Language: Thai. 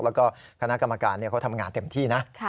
แล้วก็คณะกรรมการเขาทำงานเต็มที่นะ